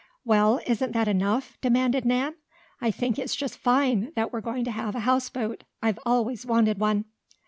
"Well, isn't that enough?" demanded Nan. "I think it's just fine, that we're going to have a houseboat! I've always wanted one."